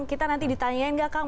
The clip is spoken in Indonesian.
kita nanti ditanyain gak kang